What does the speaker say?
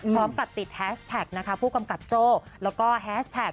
พร้อมกับติดแฮชแท็กนะคะผู้กำกับโจ้แล้วก็แฮสแท็ก